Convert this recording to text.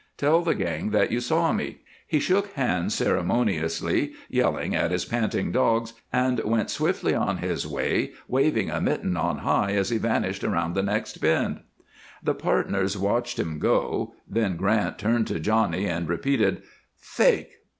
Tell the gang that you saw me." He shook hands ceremoniously, yelled at his panting dogs, and went swiftly on his way, waving a mitten on high as he vanished around the next bend. The partners watched him go, then Grant turned to Johnny, and repeated: "Fake!